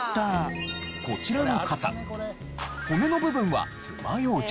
こちらの傘骨の部分はつまようじ。